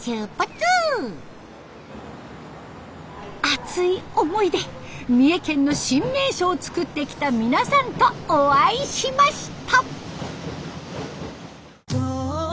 熱い思いで三重県の新名所をつくってきた皆さんとお会いしました。